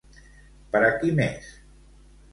Per a qui més?